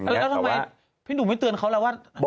แล้วทำไมพี่หนุ่มไม่เตือนเขาแล้วว่า